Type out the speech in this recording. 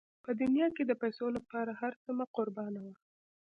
په دنیا کې د پیسو لپاره هر څه مه قربانوه.